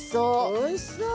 おいしそう！